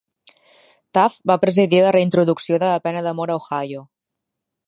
Taf va presidir la reintroducció de la pena de mort a Ohio.